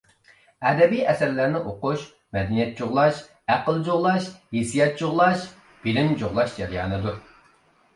ئەدەبىي ئەسەرلەرنى ئوقۇش مەدەنىيەت جۇغلاش، ئەقىل جۇغلاش، ھېسسىيات جۇغلاش، بىلىم جۇغلاش جەريانىدۇر.